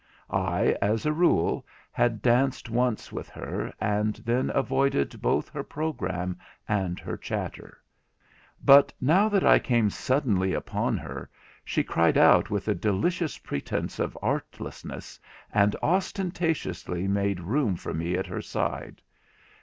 I, as a rule, had danced once with her, and then avoided both her programme and her chatter; but now that I came suddenly upon her, she cried out with a delicious pretence of artlessness, and ostentatiously made room for me at her side.